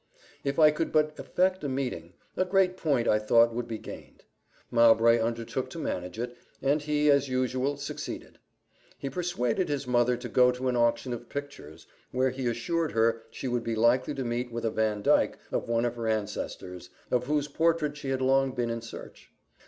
If I could but effect a meeting, a great point I thought would be gained. Mowbray undertook to manage it, and he, as usual, succeeded. He persuaded his mother to go to an auction of pictures, where he assured her she would be likely to meet with a Vandyke of one of her ancestors, of whose portrait she had long been in search.